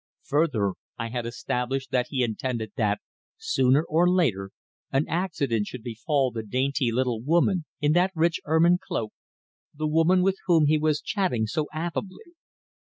Further, I had established that he intended that, sooner or later, an accident should befall the dainty little woman in that rich ermine cloak, the woman with whom he was chatting so affably.